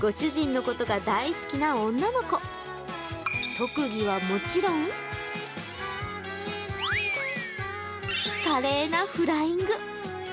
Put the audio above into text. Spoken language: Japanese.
特技はもちろん華麗なフライング。